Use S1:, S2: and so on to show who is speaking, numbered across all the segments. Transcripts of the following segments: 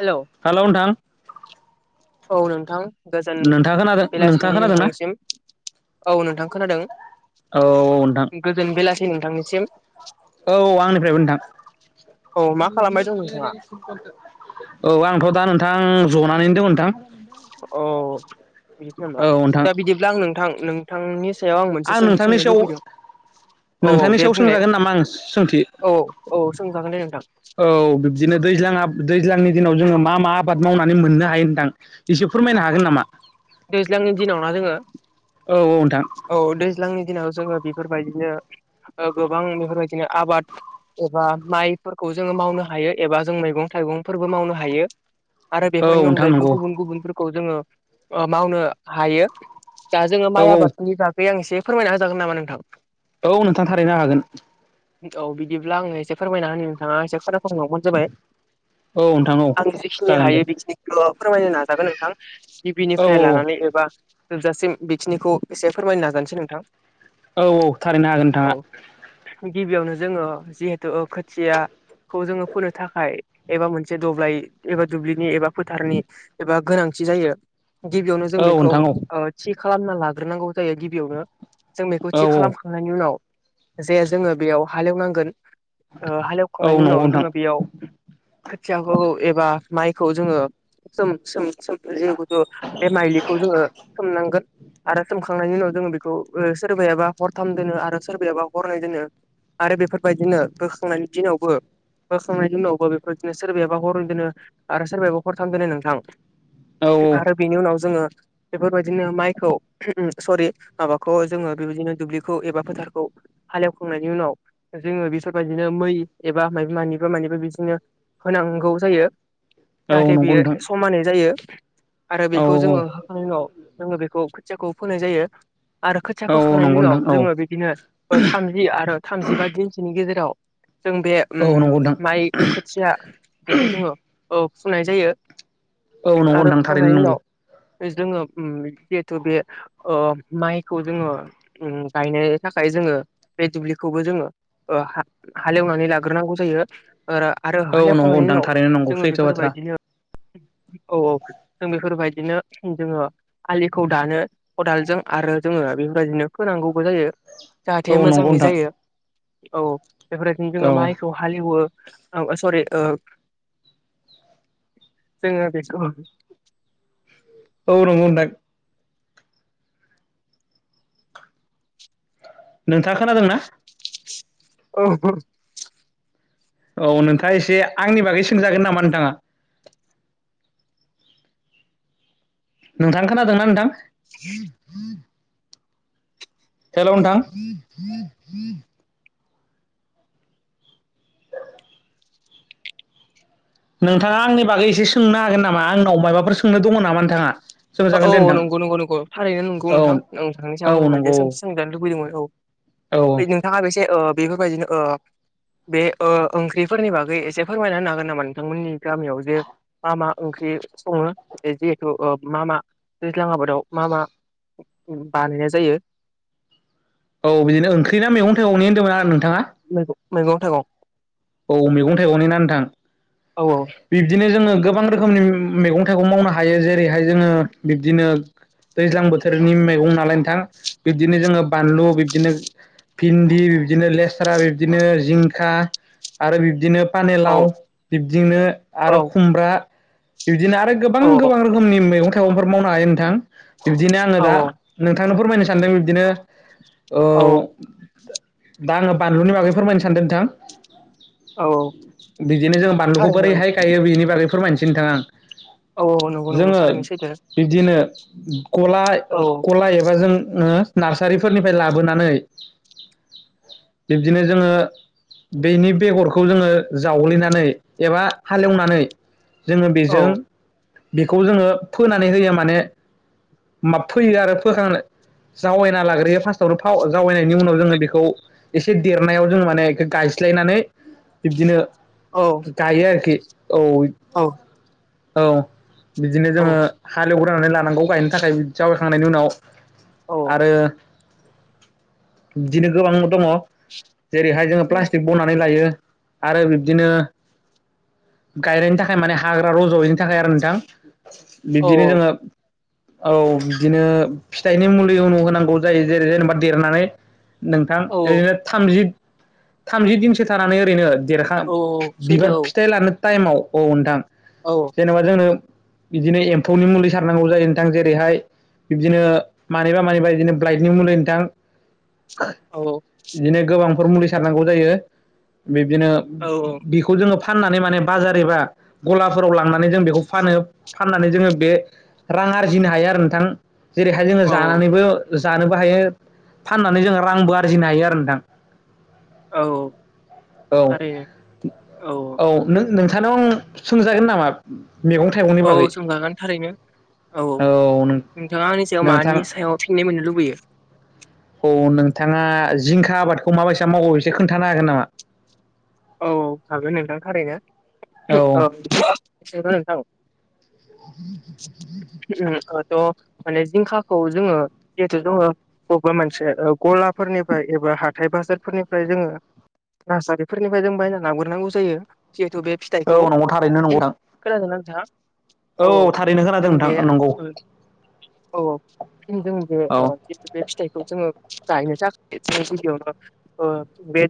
S1: Hello
S2: hello नोंथां
S1: औ नोंथां गोजोन
S2: नोंथाङा खोनादों नोंथाङा
S1: बेलासिनि
S2: खोनादोंना
S1: नोंथांनिसिम औ नोंथां खोनादों
S2: औ नोंथां
S1: गोजोन बेलासि नोंथांनिसिम
S2: औ आंनिफ्रायबो नोंथां
S1: औ मा खालामबाय दं नोंथाङा
S2: औ आंथ' दा नों नोंथां जनानैनो दङ नोंथां
S1: अ बिदिसो नामा
S2: औ नोंथां
S1: दा बिदिब्ला आं नोंथां नोंथांनि सायाव आं मोनसे सोंथि
S2: नोंथांनि
S1: सोंनो
S2: सायाव
S1: लुबैदों औ औ
S2: नोंथांनि
S1: दे
S2: सायाव
S1: बुंलाय
S2: सोंजागोन नामा आं सोंथि
S1: औ औ सोंजागोन दे नोंथां
S2: औ बिब्दिनो दैज्लां दैज्लांनि दिनाव जोङो मा मा आबाद मावनानै मोननो हायो नोंथां एसे फोरमायनो हागोन नामा
S1: दैज्लांनि दिनावना जोङो
S2: औ औ नोंथां
S1: औ दैज्लांनि दिनाव जोङो बेफोरबायदिनो ओ गोबां बेफोरबायदिनो आबाद एबा माइफोरखौ जोङो मावनो हायो एबा जों मैगं थाइ गंफोरबो मावनो हायो। आरो
S2: औ
S1: बेफोरनि
S2: नोंथां
S1: अनगायैबो
S2: नंगौ
S1: गुबुन गुबुनफोरखौ जोङो ओ मावनो हायो दा जोङो
S2: औ
S1: माइ
S2: औ
S1: आबादफोरनि थाखाय आं एसे फोरमायना होजागोन नामा नोंथां?
S2: औ नोंथां थारैनो हागोन
S1: औ बिदिब्ला आङो एसे फोरमायना होनो नोंथाङा एसे खोनासंहोलांबानो जाबाय
S2: औ नोंथां औ
S1: आं जेखिनि
S2: जागोन दे
S1: हायो बेखिनिखौल' फोरमायनो नाजागोन नोंथां
S2: औ
S1: गिबिनिफ्राय लानानै
S2: औ
S1: एबा जोबजासिम बेखिनिखौ एसे फोरमायनो नाजानोसै नोंथां
S2: औ औ थारैनो हागोन
S1: औ
S2: नोंथाङा
S1: गिबियावनो जोङो जिहेतु खोथिया खौ जोङो फोनो थाखाय एबा मोनसे दब्लाय एबा दुब्लिनि एबा फोथारनि एबा गोनां थि जायो गिबियावनो जों
S2: औ
S1: बेखौ
S2: नोंथां औ
S1: थि खालामना लाग्रोनांगौ जायो गिबियावनो जों बेखौ थि
S2: औ
S1: खालामखांनायनि उनाव जे जोङो बेयाव हाल एनांगोन हाले
S2: औ
S1: एवखांनायनि
S2: नंगौ
S1: उनाव
S2: नोंथां
S1: जोङो बेयाव खोथियाखौ एबा माइखौ जोङो सोम सोम सोम जिथु बे माइलिखौ जोङो सोमनांगोन आरो सोमखांनायनि उनाव जोङो बेखौ सोरबायाबा हरथाम दोनो आरो सोरबायायाबा हरनै दोनो। आरो बेफोरबायदिनो बोखांनायनि दिनावबो बोखांनायनि उनावबो बेफोरदिनो सोरबायाबा हर दोनो आरो सोरबायायाबा हरथाम दोनो नोंथां।
S2: औ औ
S1: आरो बेनि उनाव जोङो बेफोरबायदिनो माइखौ सरि माबाखौ जोङो बेबायदिनो दुब्लिखौ एबा फोथारखौ हाल एवखांनायनि उनाव जोङो बेसोर बाबिदिनो मै एबा मानिबा मानिबा बिदिनो होनांगौ जायो
S2: औ
S1: जाहाथे
S2: नंगौ
S1: बेयो
S2: नोंथां
S1: समानै जायो। आरो
S2: औ
S1: बेखौ जोङो हाखांनायनि उनाव जोङो बेखौ खोथियाखौ फोनाय जायो। आरो खोथिया
S2: औ
S1: फोखांनायनि
S2: नंगौ नोंथां
S1: उनाव
S2: औ
S1: जोङो बिदिनो थामजि आरो थामजिबा दिनसोनि गेजेराव जों बे ओम
S2: औ नंगौ नोंथां
S1: माइ खोथिया बेखौ जोङो ओ फुनाय जायो
S2: औ नंगौ
S1: आरो
S2: नोंथां थारैनो
S1: फुखांनायनि उनाव
S2: नंगौ
S1: जोङो जिहेथु बे ओ माइखौ जोङो गायनो थाखाय जो ङो बे दुब्लिखौबो जोङो हालेवनानै लाग्रोनांगौ जायो। आरो हाल
S2: औ नंगौ
S1: एवखांनायनि
S2: नोंथां
S1: उनाव
S2: थारैनो नंगौ
S1: जोङो
S2: सैथो बाथ्रा
S1: बेफोरबायदिनो औ औ जों बेफोरबायदिनो जोङो आलिखौ दानो खदालजों आरो जोङो बेबायदिनो फोनांगौबो जायो।
S2: औ
S1: जाहाथे
S2: नंगौ
S1: मोजाङै
S2: नोंथां
S1: जायो औ बेफोरदिनो जोङो
S2: औ
S1: माइखौ
S2: औ
S1: हाल एवो औ सरि जोङो बे अ
S2: औ नंगौ नोंथां नोंथाङा खोनादोंना?
S1: औ औ
S2: औ नोंथाङा एसे आंनि बागै सोंजागोन नामा नोंथाङा? नोंथां खोनादोंना नोंथां? हेल' नोंथां नोंथाङा आंनि बागै एसे सोंनो हागोन नामा आंनाव माबाफोर सोंनो दङ नामा नोंथाङा
S1: औ
S2: सोंजागोन दे नोंथां
S1: नंगौ नंगौ नंगौ थारैनो नंगौ
S2: औ
S1: नोंथां आं नोंथांनि
S2: औ
S1: सायाव आं मोनसे
S2: नंगौ
S1: सोंथि क्षंनो लुबैदोंमोन औ
S2: औ
S1: ओ नोंथाङा बेसे बेफोरबायदिनो बे ओ ओंख्रिफोरनि बागै एसे फोरमायना होनो हागोन नामा नोंथांमोननि गामियाव जे मा मा ओंख्रि सङो जिहेथु मा मा दैज्लां आबादाव मा मा बानायनाय जायो
S2: औ बिदिनो ओंख्रि ना मैगं थाइगंनि होनदोंमोन आरो नोंथाङा
S1: मैगं थाइगं
S2: औ मैगं थाइगंनिना नोंथां
S1: औ
S2: बिब्दिनो जोङो गोबां रोखोमनि मैगं थाइगं मावनो हायो जेरैहाय जोङो बिब्दिनो दैज्लां बोथोरनि मैगं नालाय नोंथां बिब्दिनो जोङो बानलु बिब्दिनो भिन्दि बिब्दिनो लेस्रा बिब्दिनो जिंखा आरो बिब्दिनो
S1: औ औ
S2: पानिलाव बिब्दिनो आरो
S1: औ
S2: खुमब्रा बिबदिनो आरो गोबां
S1: औ
S2: गोबां रोखोमनि मैगं थाइगंफोर मावनो हायो नोंथां बिब्दिनो आङो दा
S1: औ
S2: नोंथांनो फोरमायनो सानदों बिब्दिनो
S1: औ
S2: दा आङो बानलुनि बागै फोरमायनो सानदों नोंथां
S1: औ
S2: बिदिनो जों बानलुखौ
S1: थारैनो
S2: बोरैहाय
S1: औ
S2: गायो बिनि बागै फोरमायनोसै नोंथां आं
S1: औ औ नंगौ नंगौ
S2: जोङो
S1: थारैनो सैथो
S2: बिबदिनो गला
S1: औ
S2: खलाइ एबा जों नार्सारिफोरनिफ्राय लाबोनानै बिब्दिनो जोङो बेनि बेगरखौ जोङो जावग्लिनानै एबा हालेवनानै जोङो
S1: औ
S2: बेजों बेखौ जोङो फोनानै होयो माने मा फोयो आरो फोखांनो जावैना लाग्रोयो फार्स्टआवनो था जावाइनायनि उनाव जोङो बेखौ एसे देरनायाव जोङो माने गायस सिस्लायनानै बिब्दिनो
S1: औ
S2: गायो आरोखि औ
S1: औ
S2: औ बिदिनो
S1: औ
S2: जोङो हालेवग्रोनानै लानांगौ गायनो थाखाय जावायखांनायनि उनाव
S1: औ
S2: आरो बिदिनो गोबां दङ जेरैहाय जोङो प्लास्टिक बनानै लायो आरो बिब्दिनो गायनायनि थाखाय माने हाग्रा रजयैनि थाखाय आरो नोंथां बिब्दिनो
S1: औ औ
S2: जोङो औ बिदिनो फिथाइनि मुलि उनाव होनांगौ जायो जेरै जेनेबा देरनानै नोंथां
S1: औ
S2: ओरैनो थामजि थामजि दिनसो थानानै ओरैनो देरखां
S1: औ सैथो
S2: बिबार फिथाइ लानो टाइमाव औ नोंथां
S1: औ
S2: जेनेबा जोंनो बिदिनो एम्फौनि मुलि सारनांगौ जायो नोंथां जेरैहाय बिब्दिनो मानिबा मानिबा बिदिनो ब्लाइडनिं मुलि नोंथां
S1: औ
S2: बिदिनो गोबांफोर मुलि सारनांगौ जायो बिबदिनो बिखौ जोङो फाननानै माने बाजार एबा गलाफोराव लांनानै जों बेखौ फानो फाननानै जोङो बे रां आरजिनो हायो आरो नोंथां जेरैहाय जोङो
S1: औ
S2: जानानैबो जानोबो हायो फाननानै जों रांबो आरजिनो हायो आरो नोंथां
S1: औ
S2: औ
S1: थारैनो औ
S2: नोंथांनाव आं सोंजागोन नामा मैगं थाइगंनि
S1: औ
S2: बागै
S1: सोंजागोन थारैनो औ औ नोंथाङा आंनि सायाव
S2: नोंथां
S1: मानि सायाव फिननाय मोननो लुबैयो
S2: औ नोंथाङा जिंखा आबादखौ माबायसा मावो बेसोर खोन्थानो हागोन नामा
S1: औ हागोन नोंथां थारैनो औ एसेथ नोंथां
S2: [inaudible]
S1: थ' माने जिंखाखौ जोङो जिहेथु जोङो ओ बबेबा मोनसे गलाफोरनिफ्राय एबा हाथाय बाजारफोरनिफ्राय जोङो न फोरनिफ्राय जों बायना लागोरनांगौ जायो जिहेथु बे फिथाइखौ
S2: औ नंगौ थारैनो नंगौ
S1: उम
S2: नोंथां
S1: खोनादों ना नोंथां औ औ
S2: थारैनो खोनादों
S1: जों
S2: नोंथां
S1: बे
S2: नंगौ
S1: ओ औ औ जों बे
S2: औ
S1: ओ बे फिथाइखौ जोङो गायनाय बे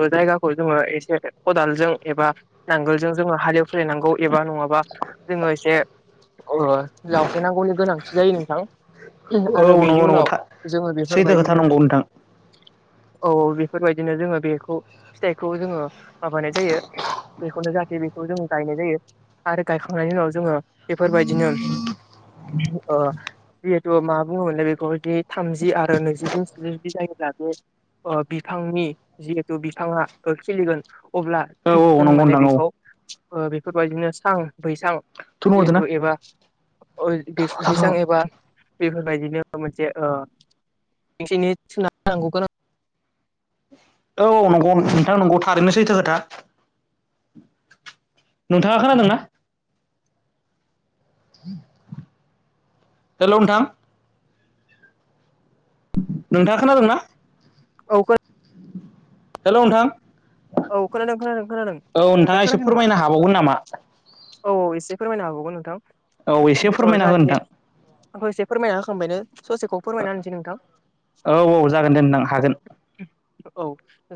S1: ओ [inaudible] जायगाखौ जोङो एसे खदालजों एबा नांगोलजों जोंङो हालेव सोलिनांगौ एबा नंआबा जोङो एसे अ लांफैनांगौनि गोनांथि जायो नोंथां फिन आरो
S2: औ
S1: बेनि
S2: नंगौ
S1: उनाव
S2: नंगौ
S1: जोङो
S2: सैथो खोथा
S1: बेफोरबायदिनो
S2: नंगौ नोंथां
S1: औ बेफोरबायदिनो जोङो बेखौ फिथाइखौ जोङो माबानाय जायो बेखौनो जाहाथे बेखौ जों गायनाय जायो आरो गायखांनायनि उनाव जोङो बेफोरबायदिनो उम ओ जिहेथु मा बुङोमोनलै बेखौ जि थामजि आरो नैजिदिन सिम जुदि जायोब्ला बे ओ बिफां बिफांनि जिहेथु बिफांआ ओ खिलिगोन अब्ला
S2: औ
S1: उम
S2: औ
S1: जों
S2: नंगौ
S1: माने
S2: नोंथां औ
S1: बेखौ ओ बेफोरबायदिनो सां बैसां
S2: थुन हरदोना
S1: जिहेथु एबा ओइदि बैसां एबा बेफोरबायदिनो मोनसे ओ मानसिनि [unintelligible]
S2: औ नंगौ नोंथां नंगौ थारैनो सैथो खोथा नोंथांआ खोनादोंना हेलौ नोथां नोंथांआ खोनादोंंना
S1: औ खोनादों
S2: हेलौ नोंथां
S1: औ खोनादों खोनादों खोनादों
S2: औ नोंथाङा
S1: नोंथांआ
S2: एसे
S1: खोनायाखै नामा
S2: फोरमायनो हाबावगोन नामा
S1: औ औ इसे फोरमायनो हागौमोन नोंथां
S2: औ एसे
S1: अओ
S2: फोरमायना हो
S1: जाहाखिनि
S2: नोंथां
S1: आंखौ एसे फोरमायना होख
S2: ओ औ औ जागोन दे नोंथां हागोन
S1: औ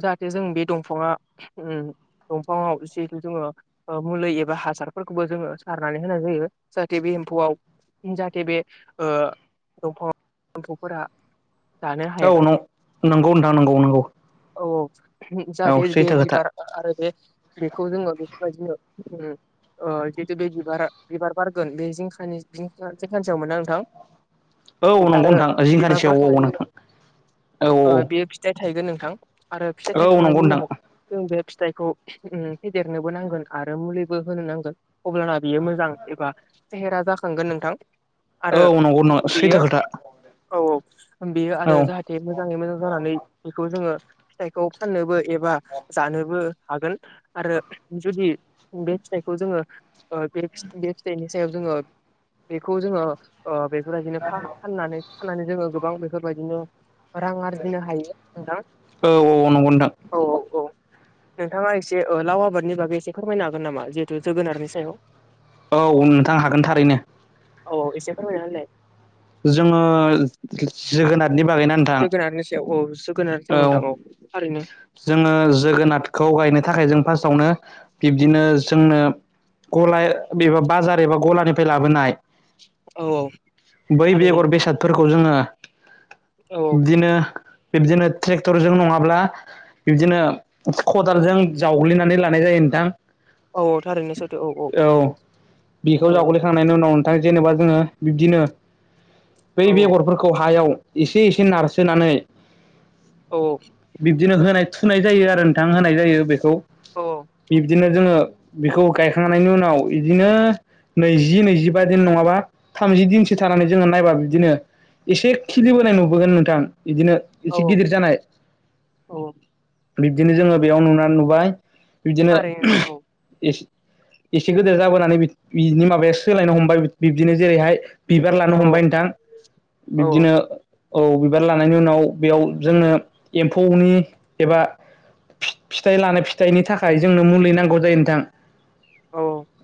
S1: जाहाथे जों बे दंफांआ ओम दंफांआव जिहुतु जोङो ओ मुलै एबा हासारफोरखौबो जोङो सारनानै होनाय जायो जाहाथे बे एम्फौआव जाहाथे बे ओ दंफांआव एम्फौफोरा जानो हाया
S2: औ नं नंगौ नोंथां नंगौ नंगौ
S1: औ
S2: औ
S1: जाहाथे बे
S2: सैथो खोथा
S1: बिबार आरो बे बेखौ जोङो बेफोरबादिनो उम ओ जेहेतु बे बिबार बिबार बारगोन बे जिंखानि जिंखानसेआव माने नोंथां
S2: औ नंगौ
S1: आरो
S2: नोंथां जिंगानि
S1: बिबारफोर
S2: सायाव औ
S1: खानायनि
S2: नोंथां
S1: उनाव
S2: औ
S1: ओ बेयो फिथाइ थाइगोन नोंथां आरो फिथाइ
S2: औ औ नंगौ
S1: थायखांनायनि
S2: नोंथां
S1: उनाव जों बे फिथाइखौ ओम फेदेरनोबो नांगोन आरो मुलिबो होनो नांगोन अब्लाना बियो मोजां एबा फेहेरा जाखांगोन नोंथां
S2: औ
S1: आरो
S2: नंगौ नों
S1: ओ
S2: सैथो
S1: बेयो
S2: खोथा
S1: औ औ बेयो आरो जाहाथे मोजाङै मोजां जानानै बेखौ जोङो फिथाइखौ फाननोबो एबा जानोबो हागोन आरो जुदि बे फिथाइखौ जोङो ओ बे बे फिथाइनि सायाव जोङो बेखौ जोङो ओ बेबादिनो फा फाननानै फाननानै जोङो गोबां बेफोरबादिनो रां आरजिनो हायो नोंथां
S2: औ औ नंगौ नोंथां
S1: औ औ औ नोंथांआ एसे ओ लाव आबादनि बागै एसे फोरमायनो हागोन नामा जिहेथु जोगोनारनि सायाव
S2: औ नोंथां हागोन थारैनो
S1: औ एसे फोरमायना होलाय
S2: जोङो जोगोनाद
S1: जोगोनारनि सायाव औ जोगोनारनि सायाव नोंथां औ थारैनो
S2: जोङो जोगोनादखौ गायनो थाखाय जों फास्तआवनो बिबदिनो जोंनो। गलाय बेबो बाजार एबा गलानिफ्राय लाबोनाय।
S1: औ औ।
S2: बै
S1: थारैनो
S2: बेगर बेसादफोरखौ जोङो
S1: औ
S2: बिदिनो। बिबदिनो ट्रेक्टरजों नङाब्ला बिब्दिनो खदालजों जावग्लिनानै लानाय जायो नोंथां।
S1: औ थारैनो सैथो
S2: औ
S1: नंगौ
S2: बिखौ
S1: औ
S2: जावग्लैखांनायनि उनाव नोंथां जेनेबा। जोङो बिब्दिनो। बै
S1: औ
S2: बेगरफोरखौ हायाव एसे एसे नारसोनानै
S1: औ
S2: बिबदिनो होनाय थुनाय जायो आरो नोंथां होनाय जायो बेखौ बिबदिनो। जोङो बेखौ गायखांनायनि उनाव बिदिनो नैजि नैजिबा दिन नङाबा थामजि दिन। सो थानानै जोङो नायबा बिदिनो एसे खिलिबोनाय नुबोगोन नोंथां। बिदिनो
S1: औ
S2: एसे गिदिर जानाय
S1: औ औ
S2: बिबदिनो जोङो बेयाव नुनानै नुबाय। बिदिनो
S1: थारैनो नोंथां
S2: एस। एसे गेदेर जाबोनानै बिनि माबाया सोलायनो हमबाय बिबदिनो जेरैहाय। बिबार लानो
S1: औ
S2: हमबाय नोंथां
S1: औ
S2: बिबदिनो। औ बिबार लानायनि उनाव बेयाव जोङो एमफौनि एबा फिथाइ लानाय फिथाइनि थाखाय जोंनो मुलि नांगौ जायो नोंथां।
S1: औ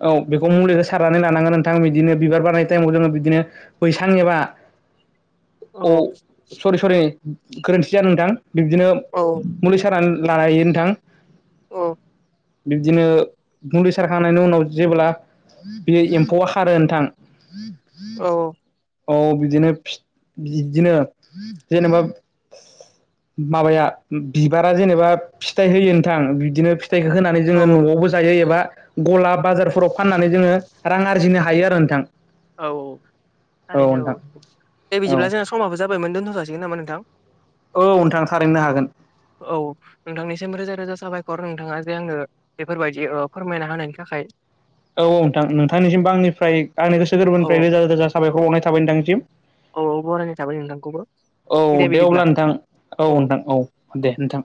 S2: औ बेखौ मुलिखौ सारनानै लानांगोन नोंथां बिदिनो बिबार बानाय टाइमाव जोङो बिदि। बिदिनो बैसां एबा
S1: औ
S2: अ सरि सरि गोरोनथि जादों नोंथां बिबदिनो मुलि सानानै। लायो नोंथां
S1: औ।
S2: बिबदिनो मुलि सारखांनायनि उनाव जेब्ला। बेयो एमफौआ खारो नोंथां।
S1: औ।
S2: औ बिदिनो बिदिनो जेनेबा। माबाया बिबारा जेनेबा फिथाइ होयो नोंथां बिदिनो। फिथाइखौ होनानै जोङो
S1: औ औ
S2: न'आवबो जायो एबा। ग'ला बाजारफोराव फाननानै जोङो रां आरजिनो हायो आरो नोंथां।
S1: औ औ थारैनो औ दे
S2: औ
S1: बिदिब्ला जोंना समाबो जाबायमोन दोनथ' जासिगोन नामा नोंथां।
S2: औ नोंथां थारैनो हागोन।
S1: औ नोंथांनिसिम रोजा रोजा साबायखर नोंथाङा जे आंनो बेफोरबायदि ओ फोरमायना होनायनि थाखाय
S2: औ औ नोंथां नोंथांनिसिमबो आंनिफ्राय आंनि
S1: औ औ
S2: गोसोरबोनिफ्राय रोजा रोजा साबायखरनाय थाबाय नोंथांनिसिम।
S1: औ औ बरायनाय थाबाय नोंथांखौबो
S2: औ
S1: दे बिदिब्ला।
S2: अब्ला नोंथां औ नोंथां औ दे नोंथां।